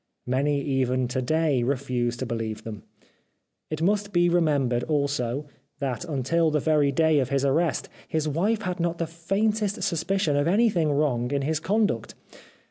Many even to day re fuse to beheve them. It must be remembered, also, that until the very day of his arrest his wife had not the faintest suspicion of anything wrong in his conduct.